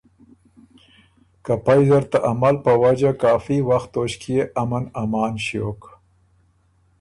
که پئ زر ته عمل په وجه کافي وخت توݭکيې امن امان ݭیوک